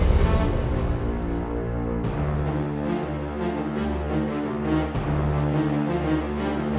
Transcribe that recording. bara kamu lihat apa toh